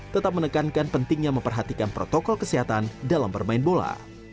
tetap menekankan pentingnya memperhatikan protokol kesehatan dalam bermain bola